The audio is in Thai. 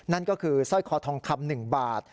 นั่นก็คือสร้อยคอทองคำ๑บาท